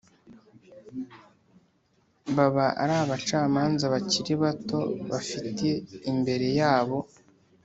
Baba ari abacamanza bakiri bato bafite imbere yabo